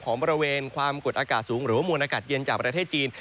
บริเวณความกดอากาศสูงหรือว่ามวลอากาศเย็นจากประเทศจีน